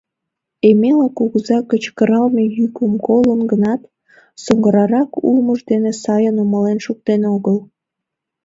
Емела кугыза кычкыралме йӱкым колын гынат, соҥгырарак улмыж дене сайын умылен шуктен огыл.